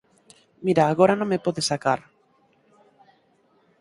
Mira, agora non me podes sacar.